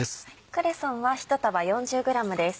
クレソンは１束４０ｇです。